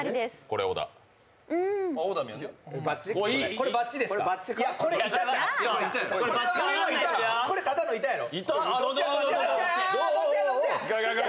これは板、ただの板やろ？